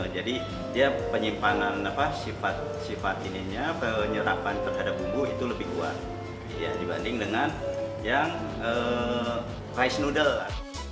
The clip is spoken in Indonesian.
jadi dia penyimpanan apa sifat sifat ininya penyerapan terhadap bumbu itu lebih kuat dibanding dengan yang rice noodle